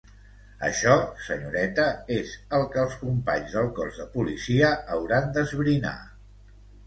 Això, senyoreta, és el que els companys del cos de policia hauran d'esbrinar.